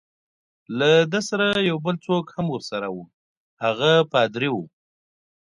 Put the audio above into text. له ده سره یو بل څوک هم ورسره وو، هغه پادري وو.